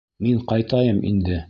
— Мин ҡайтайым инде.